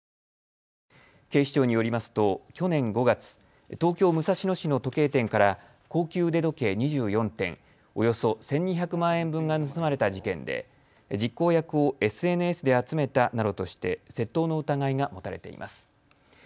警視庁によりますと去年５月、東京武蔵野市の時計店から高級腕時計２４点、およそ１２００万円分が盗まれた事件で実行役をＳＮＳで集めたなどとして窃盗の疑いが持たれています。